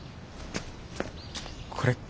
これ。